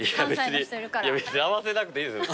別に合わせなくていいですよ。